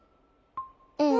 うん。